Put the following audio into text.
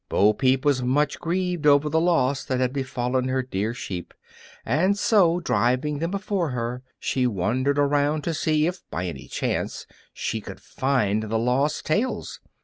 Bo Peep was much grieved over the loss that had befallen her dear sheep, and so, driving them before her, she wandered around to see if by any chance she could find the lost tails.